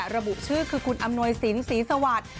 ระบุชื่อคือคุณอำนวยศิลป์ศรีสวรรค์